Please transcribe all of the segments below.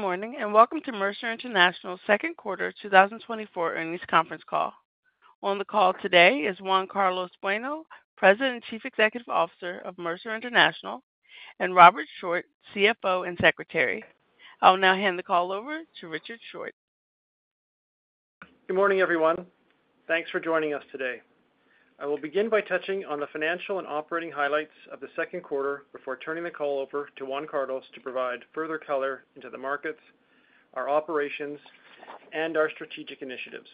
Good morning, and welcome to Mercer International's second quarter 2024 earnings conference call. On the call today is Juan Carlos Bueno, President and Chief Executive Officer of Mercer International, and Richard Short, CFO and Secretary. I'll now hand the call over to Richard Short. Good morning, everyone. Thanks for joining us today. I will begin by touching on the financial and operating highlights of the second quarter before turning the call over to Juan Carlos to provide further color into the markets, our operations, and our strategic initiatives.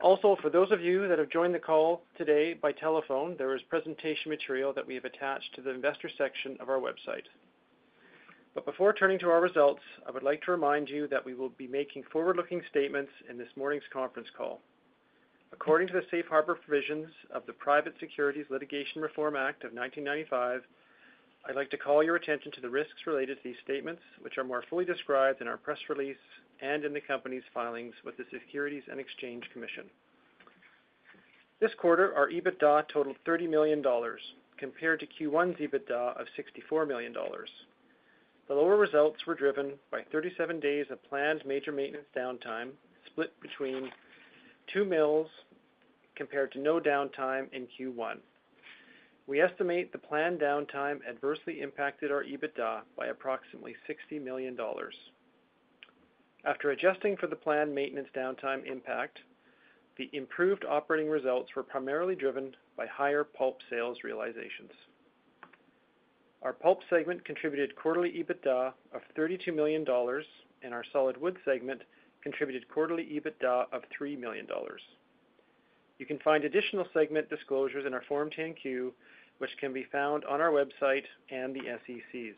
Also, for those of you that have joined the call today by telephone, there is presentation material that we have attached to the investor section of our website. Before turning to our results, I would like to remind you that we will be making forward-looking statements in this morning's conference call. According to the Safe Harbor Provisions of the Private Securities Litigation Reform Act of 1995, I'd like to call your attention to the risks related to these statements, which are more fully described in our press release and in the company's filings with the Securities and Exchange Commission. This quarter, our EBITDA totaled $30 million, compared to Q1's EBITDA of $64 million. The lower results were driven by 37 days of planned major maintenance downtime, split between two mills, compared to no downtime in Q1. We estimate the planned downtime adversely impacted our EBITDA by approximately $60 million. After adjusting for the planned maintenance downtime impact, the improved operating results were primarily driven by higher pulp sales realizations. Our pulp segment contributed quarterly EBITDA of $32 million, and our solid wood segment contributed quarterly EBITDA of $3 million. You can find additional segment disclosures in our Form 10-Q, which can be found on our website and the SEC's.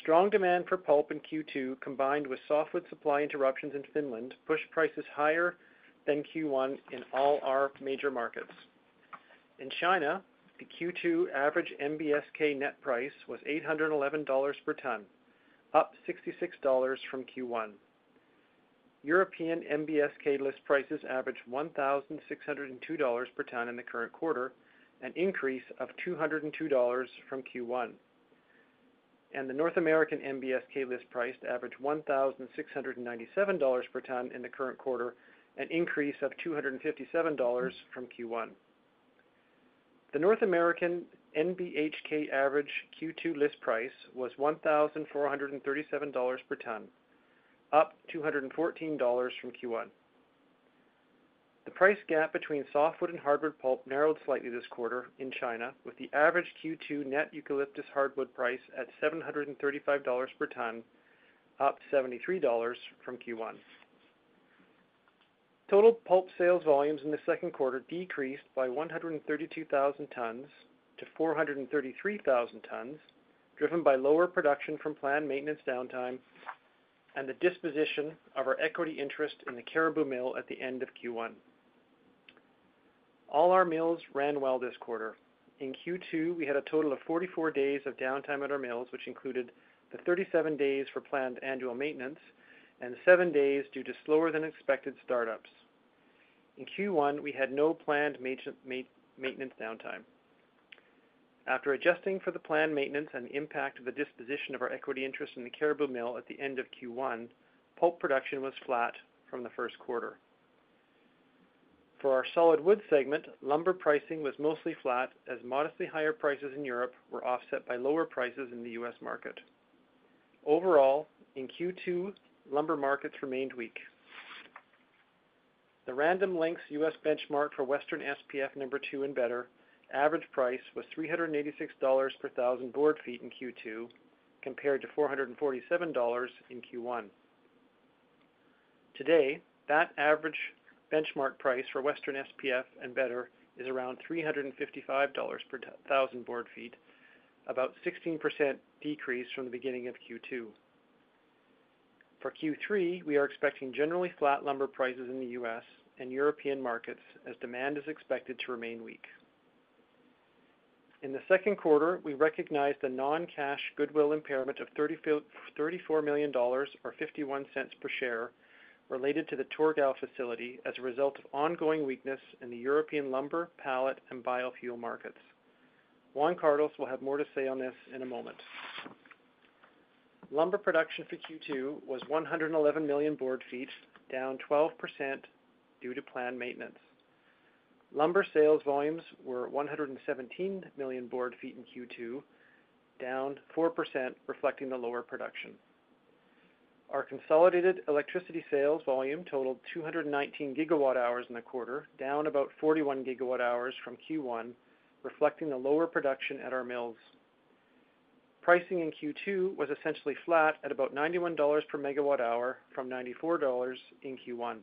Strong demand for pulp in Q2, combined with softwood supply interruptions in Finland, pushed prices higher than Q1 in all our major markets. In China, the Q2 average NBSK net price was $811 per ton, up $66 from Q1. European NBSK list prices averaged $1,602 per ton in the current quarter, an increase of $202 from Q1. The North American NBSK list price averaged $1,697 per ton in the current quarter, an increase of $257 from Q1. The North American NBHK average Q2 list price was $1,437 per ton, up $214 from Q1. The price gap between softwood and hardwood pulp narrowed slightly this quarter in China, with the average Q2 net eucalyptus hardwood price at $735 per ton, up $73 from Q1. Total pulp sales volumes in the second quarter decreased by 132,000 tons to 433,000 tons, driven by lower production from planned maintenance downtime and the disposition of our equity interest in the Cariboo mill at the end of Q1. All our mills ran well this quarter. In Q2, we had a total of 44 days of downtime at our mills, which included the 37 days for planned annual maintenance and 7 days due to slower-than-expected startups. In Q1, we had no planned maintenance downtime. After adjusting for the planned maintenance and the impact of the disposition of our equity interest in the Cariboo mill at the end of Q1, pulp production was flat from the first quarter. For our solid wood segment, lumber pricing was mostly flat, as modestly higher prices in Europe were offset by lower prices in the U.S. market. Overall, in Q2, lumber markets remained weak. The Random Lengths U.S. benchmark for Western SPF number two and better average price was $386 per 1,000 board feet in Q2, compared to $447 in Q1. Today, that average benchmark price for Western SPF and better is around $355 per 1,000 board feet, about 16% decrease from the beginning of Q2. For Q3, we are expecting generally flat lumber prices in the U.S. and European markets as demand is expected to remain weak. In the second quarter, we recognized a non-cash goodwill impairment of $34 million, or $0.51 per share, related to the Torgau facility as a result of ongoing weakness in the European lumber, pallet, and biofuel markets. Juan Carlos will have more to say on this in a moment. Lumber production for Q2 was 111 million board feet, down 12% due to planned maintenance. Lumber sales volumes were 117 million board feet in Q2, down 4%, reflecting the lower production. Our consolidated electricity sales volume totaled 219 GWh in the quarter, down about 41 GWh from Q1, reflecting the lower production at our mills. Pricing in Q2 was essentially flat at about $91 per MWh from $94 in Q1.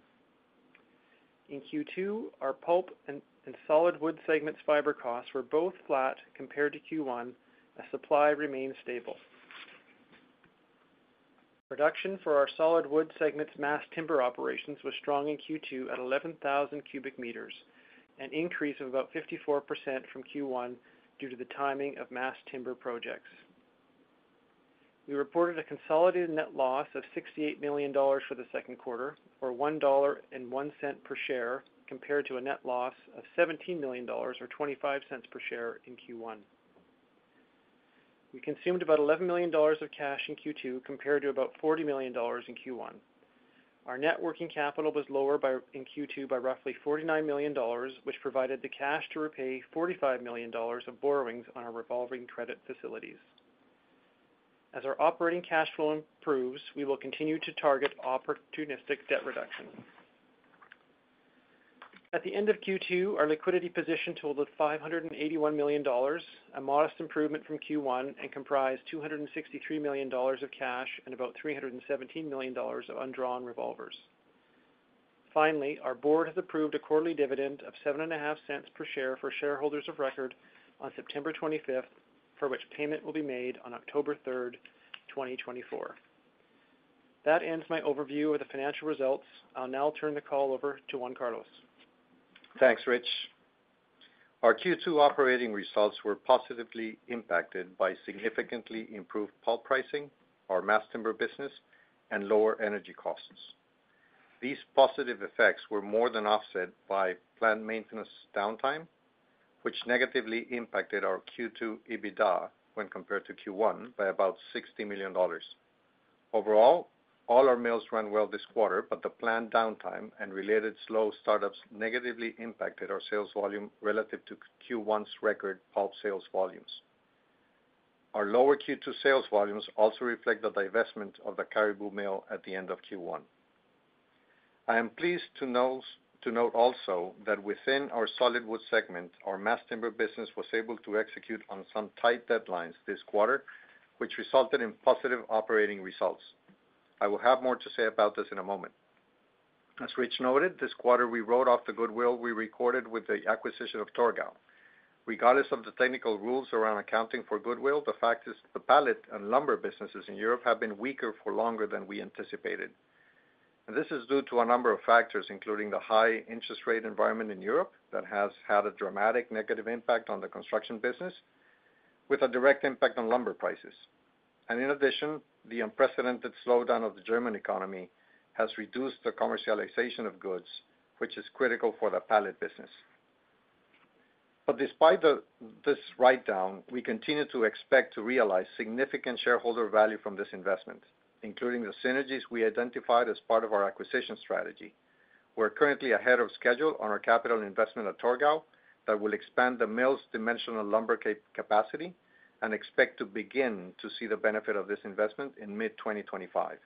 In Q2, our pulp and solid wood segments fiber costs were both flat compared to Q1 as supply remained stable. Production for our solid wood segment's mass timber operations was strong in Q2 at 11,000 cubic meters, an increase of about 54% from Q1 due to the timing of mass timber projects. We reported a consolidated net loss of $68 million for the second quarter, or $1.01 per share, compared to a net loss of $17 million or $0.25 per share in Q1. We consumed about $11 million of cash in Q2, compared to about $40 million in Q1. Our net working capital was lower by, in Q2 by roughly $49 million, which provided the cash to repay $45 million of borrowings on our revolving credit facilities. As our operating cash flow improves, we will continue to target opportunistic debt reduction. At the end of Q2, our liquidity position totaled $581 million, a modest improvement from Q1, and comprised $263 million of cash and about $317 million of undrawn revolvers. Finally, our board has approved a quarterly dividend of $0.075 per share for shareholders of record on September 25th, for which payment will be made on October 3rd, 2024. That ends my overview of the financial results. I'll now turn the call over to Juan Carlos. Thanks, Rich. Our Q2 operating results were positively impacted by significantly improved pulp pricing, our mass timber business, and lower energy costs. These positive effects were more than offset by planned maintenance downtime, which negatively impacted our Q2 EBITDA when compared to Q1 by about $60 million. Overall, all our mills ran well this quarter, but the planned downtime and related slow startups negatively impacted our sales volume relative to Q1's record pulp sales volumes. Our lower Q2 sales volumes also reflect the divestment of the Cariboo mill at the end of Q1. I am pleased to note also that within our solid wood segment, our mass timber business was able to execute on some tight deadlines this quarter, which resulted in positive operating results. I will have more to say about this in a moment. As Rich noted, this quarter, we wrote off the goodwill we recorded with the acquisition of Torgau. Regardless of the technical rules around accounting for goodwill, the fact is, the pallet and lumber businesses in Europe have been weaker for longer than we anticipated. And this is due to a number of factors, including the high interest rate environment in Europe, that has had a dramatic negative impact on the construction business, with a direct impact on lumber prices. And in addition, the unprecedented slowdown of the German economy has reduced the commercialization of goods, which is critical for the pallet business. But despite this write-down, we continue to expect to realize significant shareholder value from this investment, including the synergies we identified as part of our acquisition strategy. We're currently ahead of schedule on our capital investment at Torgau that will expand the mill's dimensional lumber capacity, and expect to begin to see the benefit of this investment in mid-2025.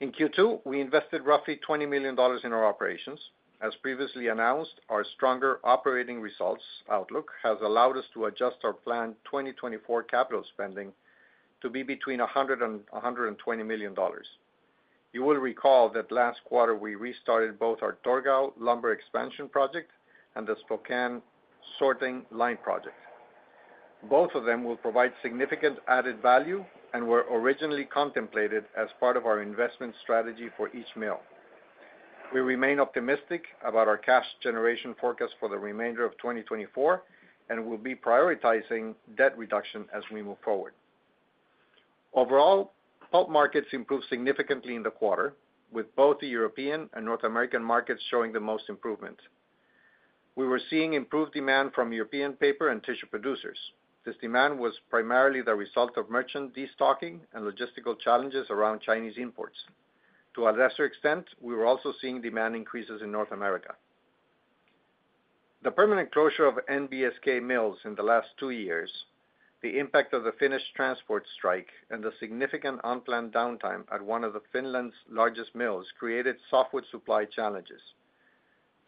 In Q2, we invested roughly $20 million in our operations. As previously announced, our stronger operating results outlook has allowed us to adjust our planned 2024 capital spending to be between $100 million and $120 million. You will recall that last quarter, we restarted both our Torgau lumber expansion project and the Spokane sorting line project. Both of them will provide significant added value and were originally contemplated as part of our investment strategy for each mill. We remain optimistic about our cash generation forecast for the remainder of 2024, and we'll be prioritizing debt reduction as we move forward. Overall, pulp markets improved significantly in the quarter, with both the European and North American markets showing the most improvement. We were seeing improved demand from European paper and tissue producers. This demand was primarily the result of merchant destocking and logistical challenges around Chinese imports. To a lesser extent, we were also seeing demand increases in North America. The permanent closure of NBSK mills in the last two years, the impact of the Finnish transport strike, and the significant unplanned downtime at one of Finland's largest mills, created softwood supply challenges,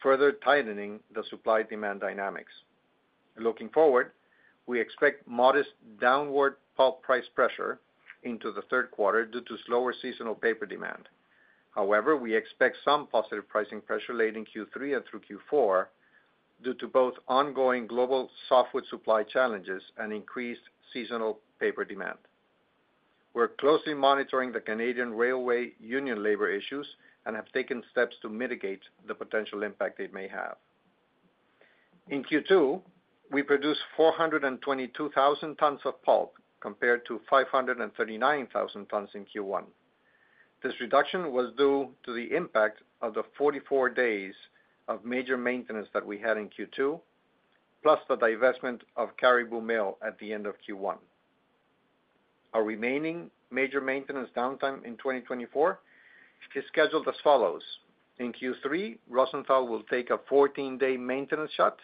further tightening the supply-demand dynamics. Looking forward, we expect modest downward pulp price pressure into the third quarter due to slower seasonal paper demand. However, we expect some positive pricing pressure late in Q3 and through Q4, due to both ongoing global softwood supply challenges and increased seasonal paper demand. We're closely monitoring the Canadian railway union labor issues and have taken steps to mitigate the potential impact it may have. In Q2, we produced 422,000 tons of pulp, compared to 539,000 tons in Q1. This reduction was due to the impact of the 44 days of major maintenance that we had in Q2, plus the divestment of Cariboo mill at the end of Q1. Our remaining major maintenance downtime in 2024 is scheduled as follows: in Q3, Rosenthal will take a 14-day maintenance shut,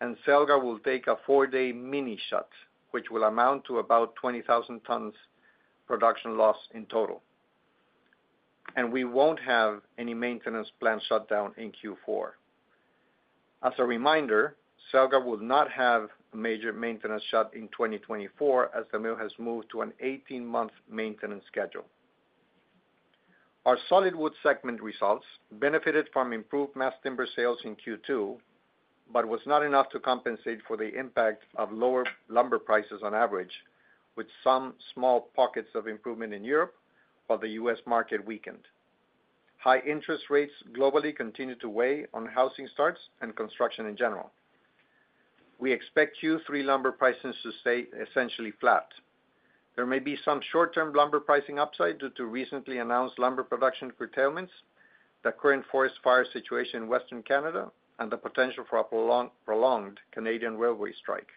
and Celgar will take a 4-day mini shut, which will amount to about 20,000 tons production loss in total. We won't have any maintenance plan shutdown in Q4. As a reminder, Celgar will not have a major maintenance shut in 2024, as the mill has moved to an 18-month maintenance schedule. Our solid wood segment results benefited from improved mass timber sales in Q2, but was not enough to compensate for the impact of lower lumber prices on average, with some small pockets of improvement in Europe, while the U.S. market weakened. High interest rates globally continued to weigh on housing starts and construction in general. We expect Q3 lumber prices to stay essentially flat. There may be some short-term lumber pricing upside due to recently announced lumber production curtailments, the current forest fire situation in Western Canada, and the potential for a prolonged Canadian railway strike.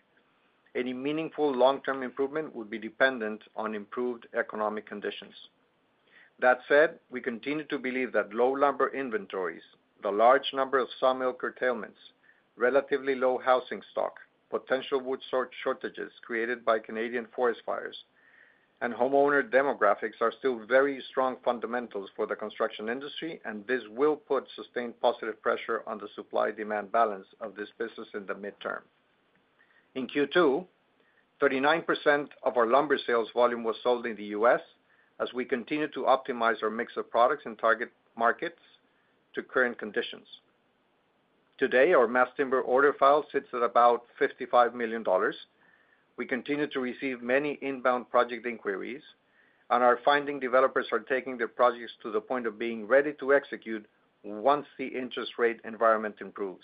Any meaningful long-term improvement would be dependent on improved economic conditions. That said, we continue to believe that low lumber inventories, the large number of sawmill curtailments, relatively low housing stock, potential wood shortages created by Canadian forest fires, and homeowner demographics are still very strong fundamentals for the construction industry, and this will put sustained positive pressure on the supply-demand balance of this business in the midterm. In Q2, 39% of our lumber sales volume was sold in the U.S., as we continued to optimize our mix of products and target markets to current conditions. Today, our mass timber order file sits at about $55 million. We continue to receive many inbound project inquiries, and are finding developers are taking their projects to the point of being ready to execute once the interest rate environment improves.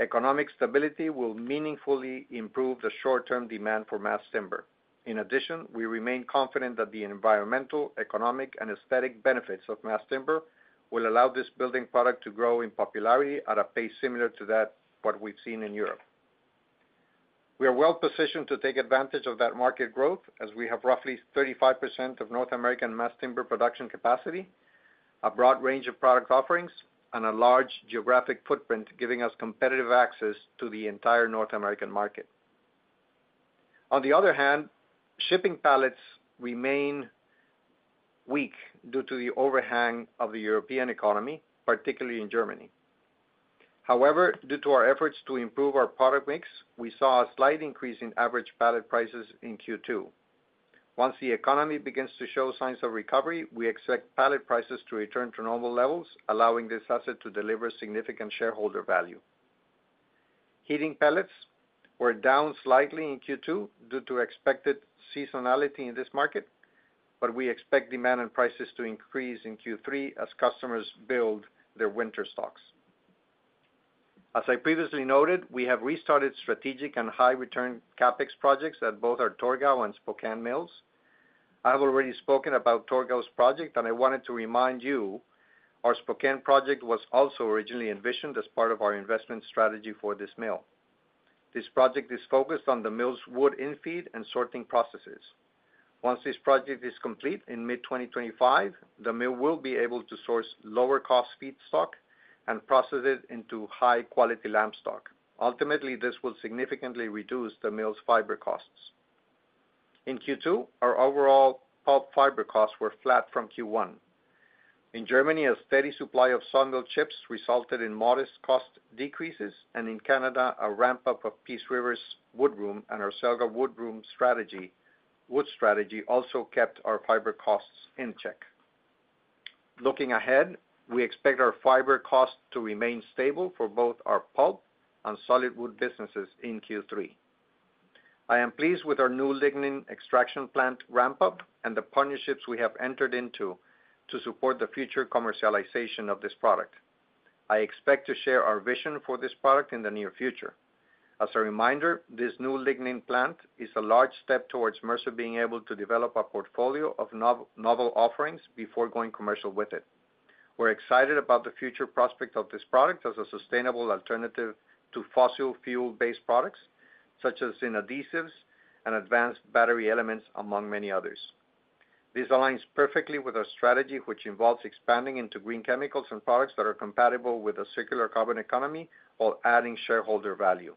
Economic stability will meaningfully improve the short-term demand for mass timber. In addition, we remain confident that the environmental, economic, and aesthetic benefits of mass timber will allow this building product to grow in popularity at a pace similar to that what we've seen in Europe. We are well positioned to take advantage of that market growth, as we have roughly 35% of North American mass timber production capacity, a broad range of product offerings, and a large geographic footprint, giving us competitive access to the entire North American market. On the other hand, shipping pallets remain weak due to the overhang of the European economy, particularly in Germany. However, due to our efforts to improve our product mix, we saw a slight increase in average pallet prices in Q2. Once the economy begins to show signs of recovery, we expect pallet prices to return to normal levels, allowing this asset to deliver significant shareholder value. Heating pellets were down slightly in Q2 due to expected seasonality in this market, but we expect demand and prices to increase in Q3 as customers build their winter stocks. As I previously noted, we have restarted strategic and high return CapEx projects at both our Torgau and Spokane mills. I have already spoken about Torgau's project, and I wanted to remind you, our Spokane project was also originally envisioned as part of our investment strategy for this mill. This project is focused on the mill's wood infeed and sorting processes. Once this project is complete in mid-2025, the mill will be able to source lower-cost feedstock and process it into high-quality lamstock. Ultimately, this will significantly reduce the mill's fiber costs. In Q2, our overall pulp fiber costs were flat from Q1. In Germany, a steady supply of sawmill chips resulted in modest cost decreases, and in Canada, a ramp-up of Peace River's wood room and our Celgar wood room strategy - wood strategy also kept our fiber costs in check. Looking ahead, we expect our fiber costs to remain stable for both our pulp and solid wood businesses in Q3. I am pleased with our new lignin extraction plant ramp-up and the partnerships we have entered into to support the future commercialization of this product. I expect to share our vision for this product in the near future. As a reminder, this new lignin plant is a large step towards Mercer being able to develop a portfolio of novel offerings before going commercial with it. We're excited about the future prospect of this product as a sustainable alternative to fossil fuel-based products, such as in adhesives and advanced battery elements, among many others. This aligns perfectly with our strategy, which involves expanding into green chemicals and products that are compatible with a circular carbon economy, while adding shareholder value.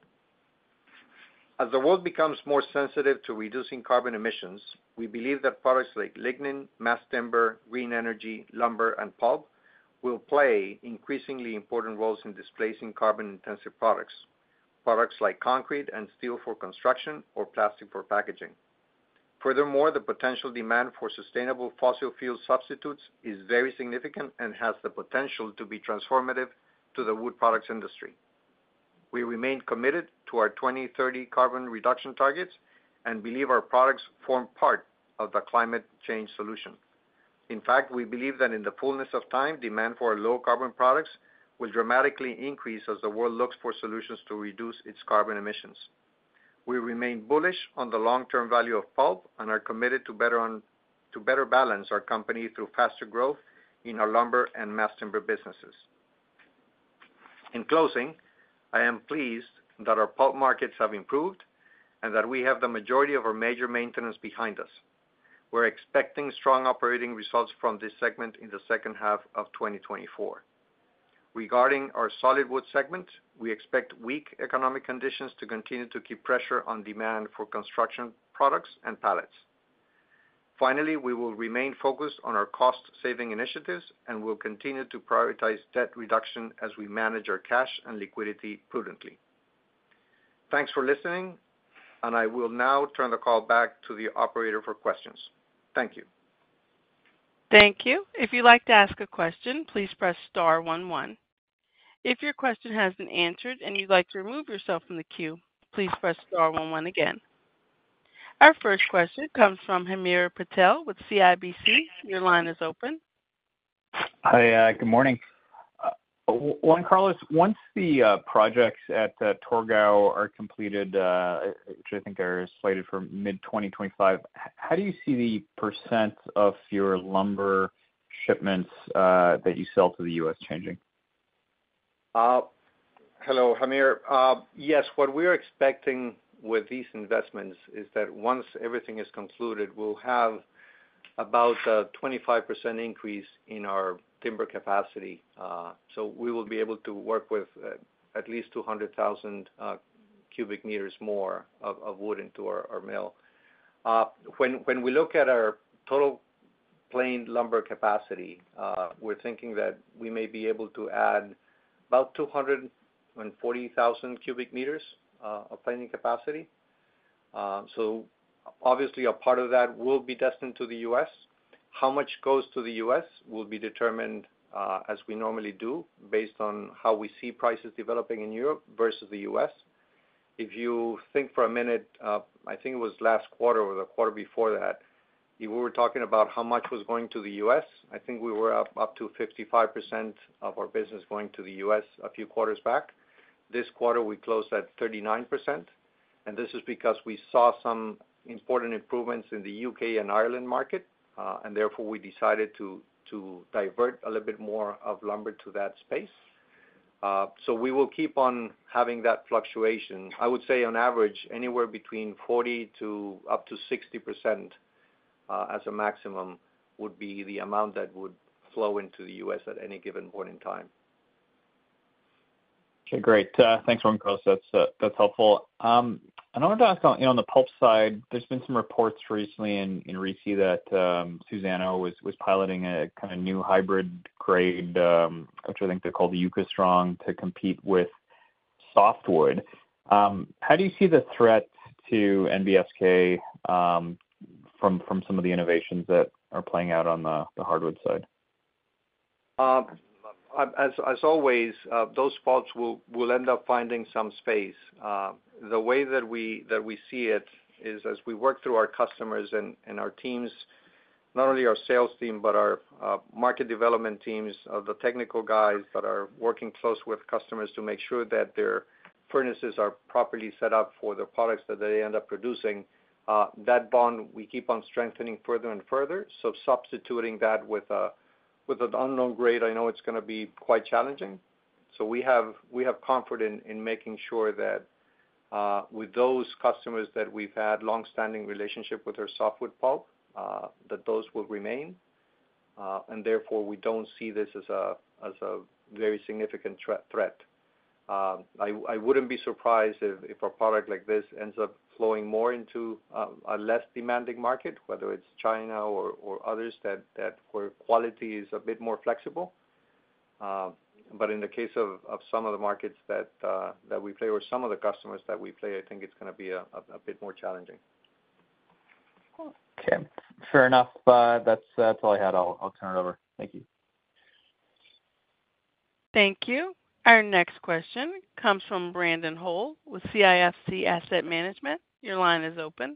As the world becomes more sensitive to reducing carbon emissions, we believe that products like lignin, mass timber, green energy, lumber, and pulp will play increasingly important roles in displacing carbon-intensive products, products like concrete and steel for construction or plastic for packaging. Furthermore, the potential demand for sustainable fossil fuel substitutes is very significant and has the potential to be transformative to the wood products industry. We remain committed to our 2030 carbon reduction targets and believe our products form part of the climate change solution. In fact, we believe that in the fullness of time, demand for our low carbon products will dramatically increase as the world looks for solutions to reduce its carbon emissions. We remain bullish on the long-term value of pulp and are committed to better balance our company through faster growth in our lumber and mass timber businesses. In closing, I am pleased that our pulp markets have improved and that we have the majority of our major maintenance behind us. We're expecting strong operating results from this segment in the second half of 2024. Regarding our solid wood segment, we expect weak economic conditions to continue to keep pressure on demand for construction products and pallets. Finally, we will remain focused on our cost-saving initiatives and will continue to prioritize debt reduction as we manage our cash and liquidity prudently. Thanks for listening, and I will now turn the call back to the operator for questions. Thank you. Thank you. If you'd like to ask a question, please press star one one. If your question has been answered and you'd like to remove yourself from the queue, please press star one one again. Our first question comes from Hamir Patel with CIBC. Your line is open.... Hi, good morning. Juan Carlos, once the projects at Torgau are completed, which I think are slated for mid-2025, how do you see the percent of your lumber shipments that you sell to the U.S. changing? Hello, Hamir. Yes, what we're expecting with these investments is that once everything is concluded, we'll have about a 25% increase in our timber capacity. So we will be able to work with at least 200,000 cubic meters more of wood into our mill. When we look at our total planed lumber capacity, we're thinking that we may be able to add about 240,000 cubic meters of planing capacity. So obviously, a part of that will be destined to the U.S. How much goes to the U.S. will be determined, as we normally do, based on how we see prices developing in Europe versus the U.S. If you think for a minute, I think it was last quarter or the quarter before that, we were talking about how much was going to the U.S. I think we were up to 55% of our business going to the U.S. a few quarters back. This quarter, we closed at 39%, and this is because we saw some important improvements in the U.K. and Ireland market, and therefore, we decided to divert a little bit more of lumber to that space. So we will keep on having that fluctuation. I would say on average, anywhere between 40% to up to 60%, as a maximum, would be the amount that would flow into the U.S. at any given point in time. Okay, great. Thanks, Juan Carlos. That's, that's helpful. And I wanted to ask on, you know, on the pulp side, there's been some reports recently in, in RISI that, Suzano was, was piloting a kind of new hybrid grade, which I think they called the EucaStrong, to compete with softwood. How do you see the threat to NBSK, from, from some of the innovations that are playing out on the, the hardwood side? As always, those pulps will end up finding some space. The way that we see it is as we work through our customers and our teams, not only our sales team, but our market development teams, the technical guys that are working close with customers to make sure that their furnaces are properly set up for the products that they end up producing, that bond we keep on strengthening further and further. So substituting that with an unknown grade, I know it's gonna be quite challenging. So we have comfort in making sure that with those customers that we've had long-standing relationship with our softwood pulp, that those will remain. And therefore, we don't see this as a very significant threat. I wouldn't be surprised if a product like this ends up flowing more into a less demanding market, whether it's China or others, that where quality is a bit more flexible. But in the case of some of the markets that we play, or some of the customers that we play, I think it's gonna be a bit more challenging. Cool. Okay, fair enough. That's, that's all I had. I'll, I'll turn it over. Thank you. Thank you. Our next question comes from Brandon Hole with CIFC Asset Management. Your line is open.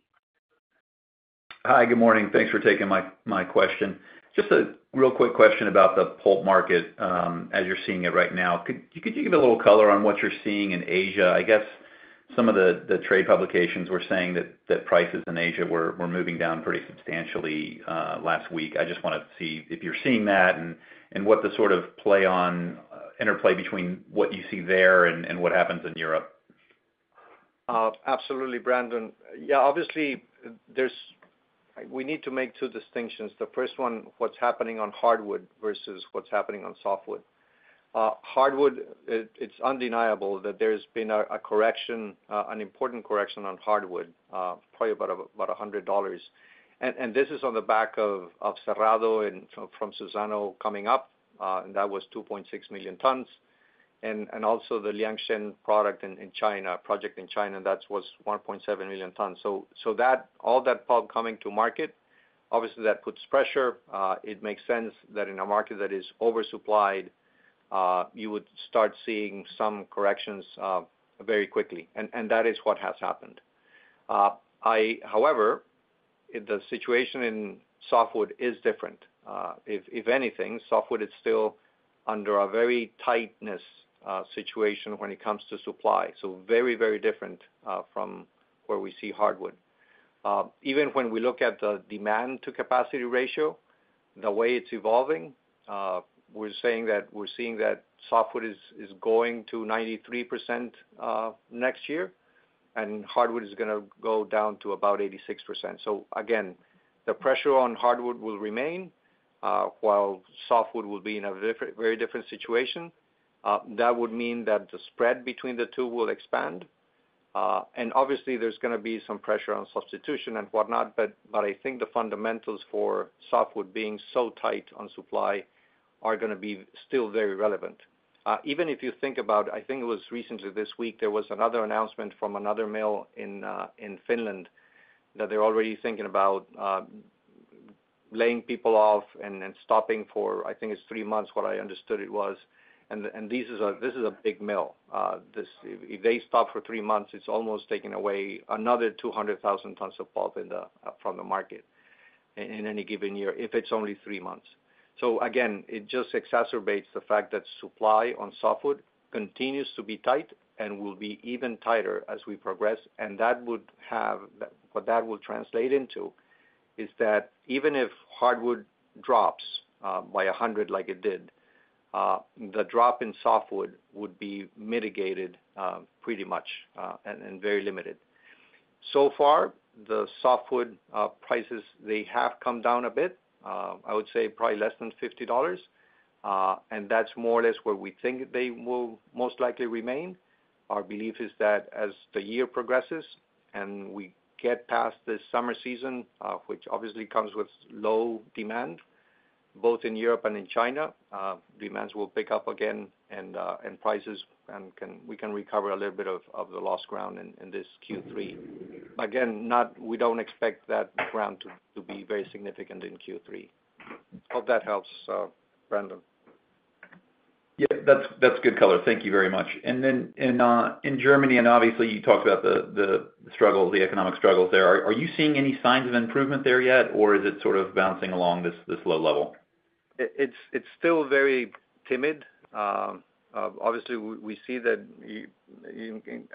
Hi, good morning. Thanks for taking my question. Just a real quick question about the pulp market, as you're seeing it right now. Could you give a little color on what you're seeing in Asia? I guess some of the trade publications were saying that prices in Asia were moving down pretty substantially last week. I just wanna see if you're seeing that and what the sort of interplay between what you see there and what happens in Europe. Absolutely, Brandon. Yeah, obviously, there is. We need to make two distinctions. The first one, what's happening on hardwood versus what's happening on softwood. Hardwood, it is undeniable that there has been a correction, an important correction on hardwood, probably about $100. And this is on the back of Cerrado and from Suzano coming up, and that was 2.6 million tons. And also the Liansheng product in China, project in China, that was 1.7 million tons. So that—all that pulp coming to market, obviously, that puts pressure. It makes sense that in a market that is oversupplied, you would start seeing some corrections very quickly, and that is what has happened. However, the situation in softwood is different. If anything, softwood is still under a very tight situation when it comes to supply, so very, very different from where we see hardwood. Even when we look at the demand to capacity ratio, the way it's evolving, we're saying that we're seeing that softwood is going to 93% next year, and hardwood is gonna go down to about 86%. So again, the pressure on hardwood will remain, while softwood will be in a very different situation. That would mean that the spread between the two will expand. And obviously, there's gonna be some pressure on substitution and whatnot, but I think the fundamentals for softwood being so tight on supply are gonna be still very relevant. Even if you think about, I think it was recently this week, there was another announcement from another mill in Finland that they're already thinking about laying people off and stopping for, I think it's 3 months, what I understood it was. And this is a big mill. If they stop for 3 months, it's almost taking away another 200,000 tons of pulp from the market in any given year, if it's only 3 months. So again, it just exacerbates the fact that supply on softwood continues to be tight and will be even tighter as we progress. That will translate into is that even if hardwood drops by 100 like it did, the drop in softwood would be mitigated pretty much and very limited. So far, the softwood prices, they have come down a bit, I would say probably less than $50. And that's more or less where we think they will most likely remain. Our belief is that as the year progresses and we get past this summer season, which obviously comes with low demand, both in Europe and in China, demands will pick up again and prices and we can recover a little bit of the lost ground in this Q3. Again, we don't expect that ground to be very significant in Q3. Hope that helps, Brandon. Yeah, that's good color. Thank you very much. And then in Germany, and obviously, you talked about the struggle, the economic struggles there. Are you seeing any signs of improvement there yet, or is it sort of bouncing along this low level? It's still very timid. Obviously, we see that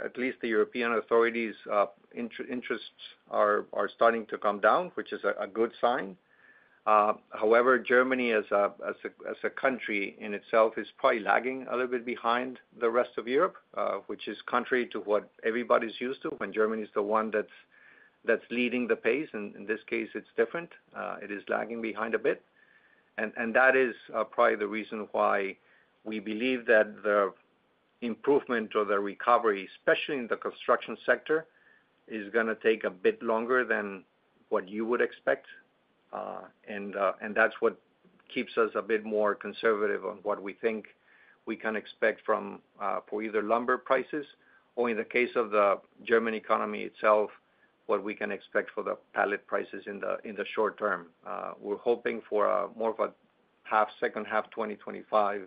at least the European authorities' interests are starting to come down, which is a good sign. However, Germany as a country in itself is probably lagging a little bit behind the rest of Europe, which is contrary to what everybody's used to, when Germany is the one that's leading the pace. And in this case, it's different. It is lagging behind a bit. And that is probably the reason why we believe that the improvement or the recovery, especially in the construction sector, is gonna take a bit longer than what you would expect. And that's what keeps us a bit more conservative on what we think we can expect from, for either lumber prices or in the case of the German economy itself, what we can expect for the pallet prices in the short term. We're hoping for more of a second half 2025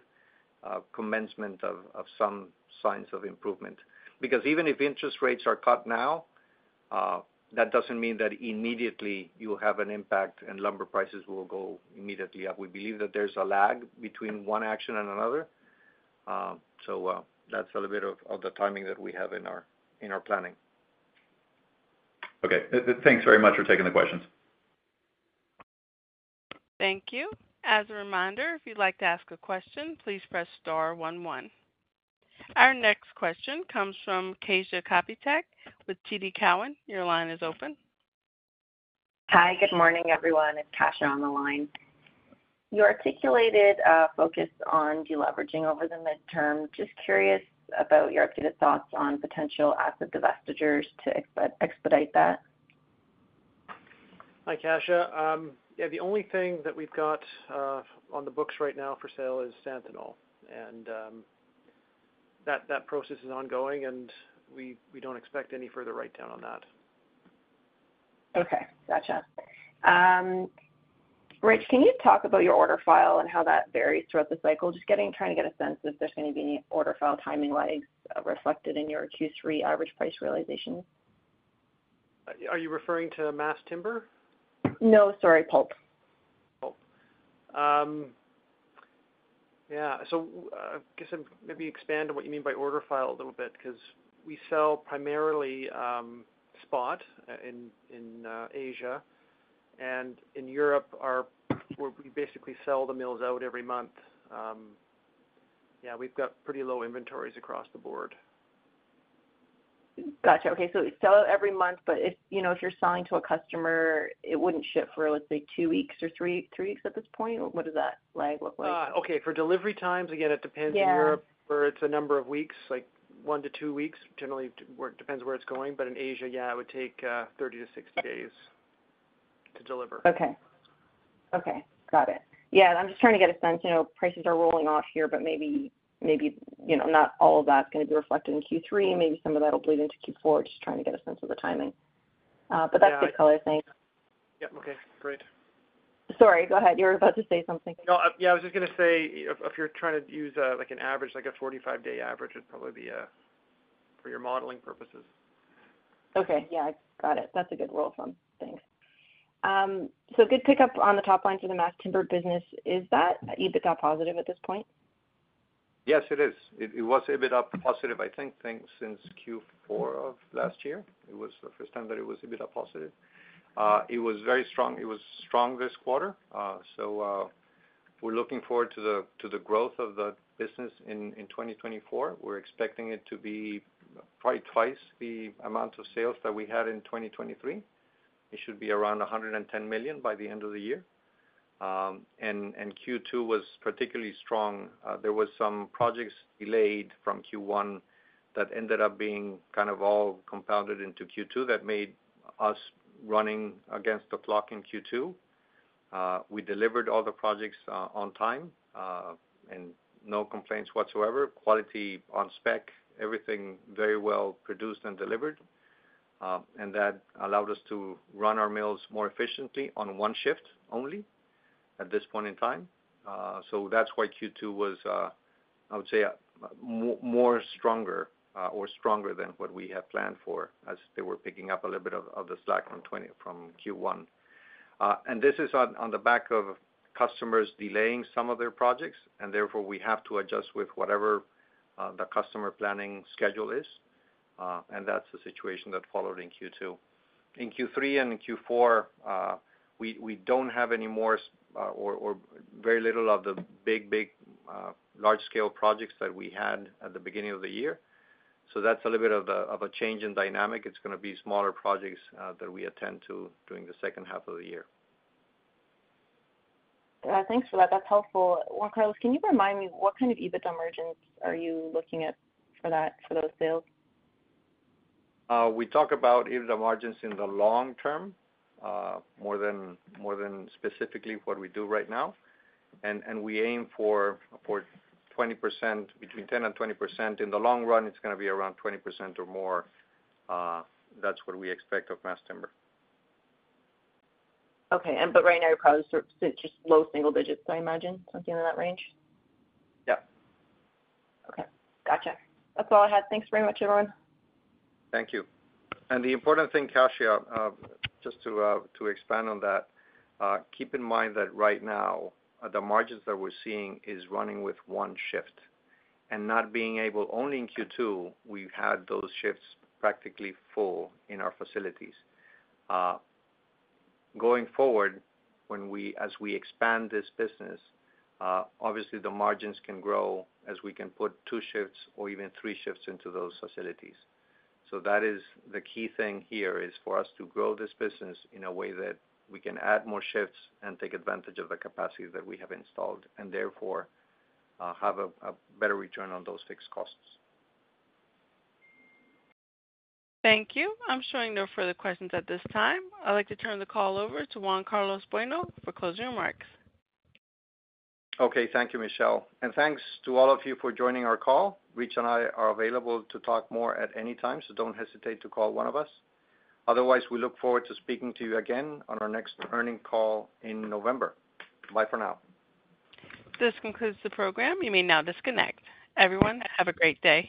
commencement of some signs of improvement. Because even if interest rates are cut now, that doesn't mean that immediately you have an impact and lumber prices will go immediately up. We believe that there's a lag between one action and another. So, that's a little bit of the timing that we have in our planning. Okay. Thanks very much for taking the questions. Thank you. As a reminder, if you'd like to ask a question, please press star one one. Our next question comes from Kasia Kopytek with TD Cowen. Your line is open. Hi, good morning, everyone. It's Kasia on the line. You articulated a focus on deleveraging over the midterm. Just curious about your updated thoughts on potential asset divestitures to expedite that. Hi, Kasia. Yeah, the only thing that we've got on the books right now for sale is Santanol. That process is ongoing, and we don't expect any further write-down on that. Okay, gotcha. Rich, can you talk about your order file and how that varies throughout the cycle? Just getting-- trying to get a sense if there's gonna be any order file timing lags, reflected in your Q3 average price realization. Are you referring to mass timber? No, sorry, pulp. Pulp. Yeah. So, I guess, maybe expand on what you mean by order file a little bit, 'cause we sell primarily, spot, in, in, Asia. And in Europe, our-- we, we basically sell the mills out every month. Yeah, we've got pretty low inventories across the Board. Gotcha. Okay, so you sell it every month, but if, you know, if you're selling to a customer, it wouldn't ship for, let's say, two weeks or three, three weeks at this point? Or what does that lag look like? Okay, for delivery times, again, it depends- Yeah... in Europe, where it's a number of weeks, like 1-2 weeks. Generally, it depends where it's going, but in Asia, yeah, it would take 30-60 days to deliver. Okay. Okay, got it. Yeah, I'm just trying to get a sense, you know, prices are rolling off here, but maybe, maybe, you know, not all of that's gonna be reflected in Q3, maybe some of that will bleed into Q4. Just trying to get a sense of the timing. But that's- Yeah... good color, thanks. Yep, okay, great. Sorry, go ahead. You were about to say something. No, yeah, I was just gonna say, if you're trying to use like an average, like a 45-day average, would probably be for your modeling purposes. Okay. Yeah, I got it. That's a good rule of thumb. Thanks. So good pick up on the top line for the mass timber business. Is that EBITDA positive at this point? Yes, it is. It was EBITDA positive, I think, since Q4 of last year. It was the first time that it was EBITDA positive. It was very strong. It was strong this quarter. So, we're looking forward to the growth of the business in 2024. We're expecting it to be probably twice the amount of sales that we had in 2023. It should be around $110 million by the end of the year. And Q2 was particularly strong. There was some projects delayed from Q1 that ended up being kind of all compounded into Q2, that made us running against the clock in Q2. We delivered all the projects on time, and no complaints whatsoever. Quality on spec, everything very well produced and delivered. And that allowed us to run our mills more efficiently on one shift only at this point in time. So that's why Q2 was, I would say, more stronger, or stronger than what we had planned for, as they were picking up a little bit of the slack from Q1. And this is on the back of customers delaying some of their projects, and therefore, we have to adjust with whatever the customer planning schedule is, and that's the situation that followed in Q2. In Q3 and in Q4, we don't have any more or very little of the big, big, large-scale projects that we had at the beginning of the year. So that's a little bit of a change in dynamic. It's gonna be smaller projects that we attend to during the second half of the year. Thanks for that. That's helpful. Juan Carlos, can you remind me what kind of EBITDA margins are you looking at for that, for those sales? We talk about EBITDA margins in the long term, more than specifically what we do right now. And we aim for 20%, between 10% and 20%. In the long run, it's gonna be around 20% or more. That's what we expect of mass timber. Okay, right now, you're probably sort of just low single digits, I imagine, something in that range? Yeah. Okay. Gotcha. That's all I had. Thanks very much, everyone. Thank you. The important thing, Kasia, just to expand on that, keep in mind that right now, the margins that we're seeing is running with one shift, and not being able... Only in Q2, we've had those shifts practically full in our facilities. Going forward, when we as we expand this business, obviously the margins can grow as we can put two shifts or even three shifts into those facilities. So that is the key thing here, is for us to grow this business in a way that we can add more shifts and take advantage of the capacity that we have installed, and therefore, have a better return on those fixed costs. Thank you. I'm showing no further questions at this time. I'd like to turn the call over to Juan Carlos Bueno for closing remarks. Okay, thank you, Michelle, and thanks to all of you for joining our call. Rich and I are available to talk more at any time, so don't hesitate to call one of us. Otherwise, we look forward to speaking to you again on our next earnings call in November. Bye for now. This concludes the program. You may now disconnect. Everyone, have a great day.